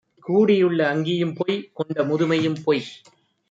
கூடியுள்ள அங்கியும்பொய்! கொண்ட முதுமையும்பொய்!